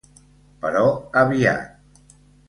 Però aviat.